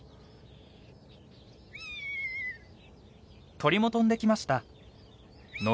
鳥も飛んできました。